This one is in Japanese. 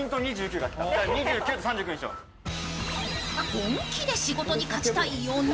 本気で仕事に勝ちたい４人。